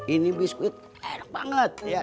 ini biskuit enak banget